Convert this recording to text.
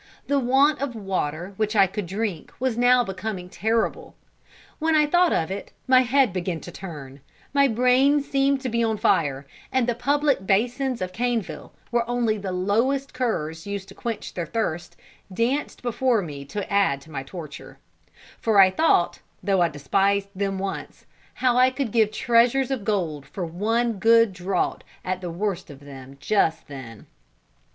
The want of water which I could drink was now becoming terrible. When I thought of it, my head began to turn; my brain seemed to be on fire; and the public basins of Caneville, where only the lowest curs used to quench their thirst, danced before me to add to my torture; for I thought, though I despised them once, how I could give treasures of gold for one good draught at the worst of them just then.